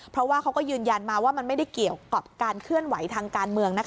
เพราะว่าเขาก็ยืนยันมาว่ามันไม่ได้เกี่ยวกับการเคลื่อนไหวทางการเมือง